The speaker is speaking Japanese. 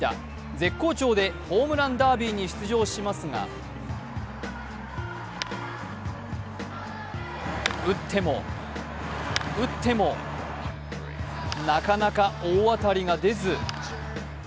絶好調でホームランダービーに出場しますが打っても、打っても、なかなか大当たりが出ず。